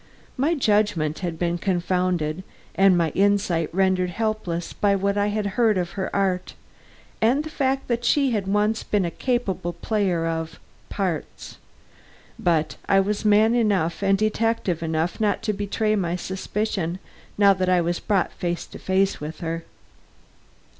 My judgment had been confounded and my insight rendered helpless by what I had heard of her art, and the fact that she had once been a capable player of "parts." But I was man enough and detective enough not to betray my suspicion, now that I was brought face to face with her.